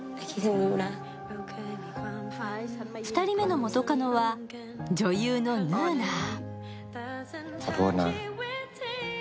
２人目の元カノは、女優のヌーナー。